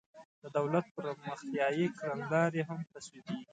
د دولت پرمختیایي کړنلارې هم تصویبیږي.